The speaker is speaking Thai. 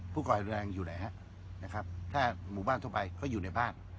ก่อแรงอยู่ไหนฮะนะครับถ้าหมู่บ้านทั่วไปเขาอยู่ในบ้าน